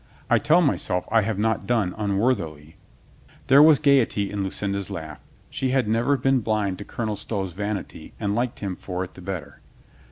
"I tell myself I have not done un worthily." There was gaiety in Lucinda's laugh. She had never been blind to Colonel Stow's vanity and liked him for it the better.